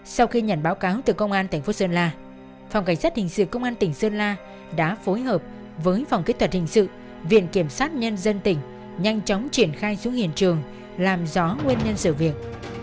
sau khi nhận báo cáo từ công an tp sơn la phòng cảnh sát hình sự công an tỉnh sơn la đã phối hợp với phòng kỹ thuật hình sự viện kiểm sát nhân dân tỉnh nhanh chóng triển khai xuống hiện trường làm rõ nguyên nhân sự việc